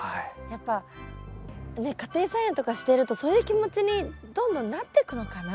やっぱねっ家庭菜園とかしてるとそういう気持ちにどんどんなってくのかな？